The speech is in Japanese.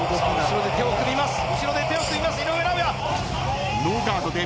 後ろで手を組みます井上尚弥。